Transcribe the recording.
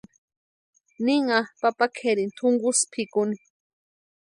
Ninha papa kʼerini túnkusï pʼikuni.